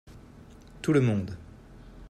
tout le monde.